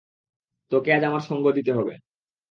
তোকে আজ আমার সঙ্গ দিতে হবে।